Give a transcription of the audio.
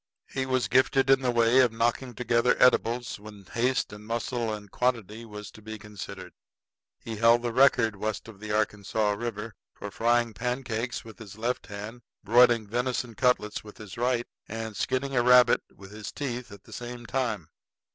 He was gifted in the way of knocking together edibles when haste and muscle and quantity was to be considered. He held the record west of the Arkansas River for frying pancakes with his left hand, broiling venison cutlets with his right, and skinning a rabbit with his teeth at the same time.